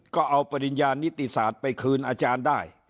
ก็เอาปริญญานิติศาสตร์ไปคืนอาจารย์ได้